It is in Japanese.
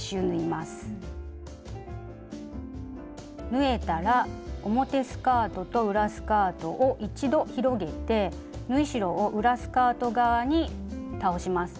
縫えたら表スカートと裏スカートを一度広げて縫い代を裏スカート側に倒します。